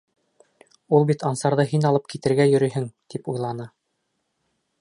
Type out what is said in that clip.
Ул бит Ансарҙы һин алып китергә йөрөйһөң, тип уйланы.